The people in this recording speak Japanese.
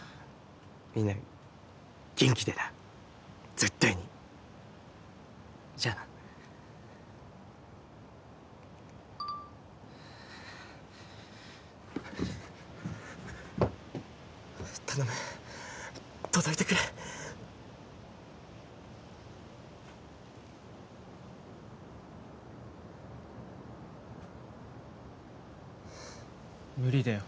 みんな元気でな絶対にじゃあな頼む届いてくれ無理だよ